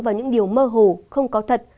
vào những điều mơ hồ không có thật